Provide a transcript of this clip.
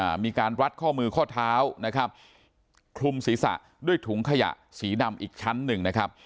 มีการรัดข้อมือข้อเท้านะครับคลุมศีรษะด้วยถุงขยะสีดำอีกชั้นหนึ่งนะครับ